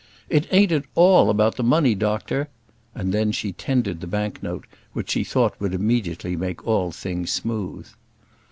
"It ain't at all about the money, doctor;" and then she tendered the bank note, which she thought would immediately make all things smooth.